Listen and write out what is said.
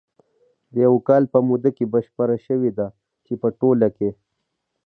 د یوه کال په موده کې بشپره شوې ده، چې په ټوله کې